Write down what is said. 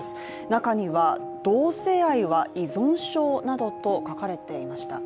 中には、「同性愛は依存症」などと書かれていました。